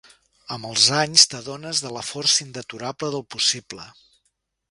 Amb els anys t'adones de la força indeturable del possible.